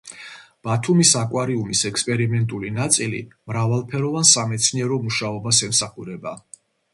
ბათუმის აკვარიუმის ექსპერიმენტული ნაწილი მრავალფეროვან სამეცნიერო მუშობას ემსახურება.